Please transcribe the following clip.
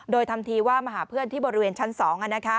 โดยทำทีว่ามาหาเพื่อนที่บริเวณชั้น๒